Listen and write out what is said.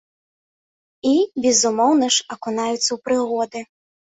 І, безумоўна ж, акунаюцца ў прыгоды.